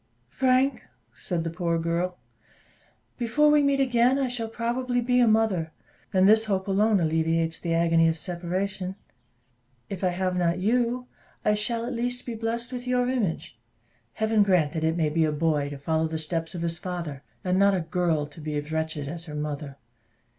"Frank," said the poor girl, "before we meet again, I shall probably be a mother; and this hope alone alleviates the agony of separation. If I have not you, I shall, at least, be blest with your image. Heaven grant that it may be a boy, to follow the steps of his father, and not a girl, to be as wretched as her mother.